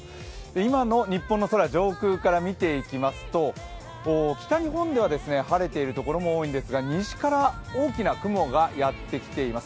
今の日本の空上空から見ていきますと北日本では晴れている所も多いんですが西から大きな雲がやってきています。